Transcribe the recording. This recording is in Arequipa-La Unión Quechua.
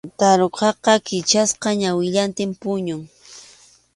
Tarukaqa kichasqa ñawillantin puñun.